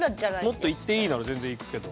もっといっていいなら全然いくけど。